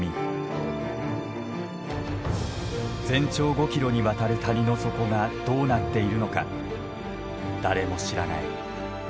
全長５キロにわたる谷の底がどうなっているのか誰も知らない。